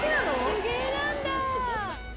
手芸なんだ。